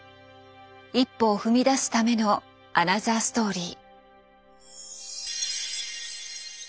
一歩を踏み出すためのアナザーストーリー。